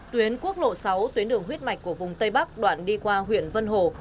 tuyến quốc lộ sáu tuyến đường huyết mạch của vùng tây bắc đoạn đi qua huyện vân hồ